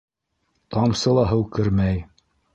Тамсы ла һыу кермәй.